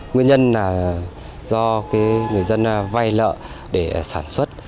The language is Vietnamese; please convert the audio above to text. nguyên nhân là do người dân vay nợ để sản xuất